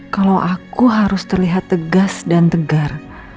kalau aku harus terlihat tegas dan tegar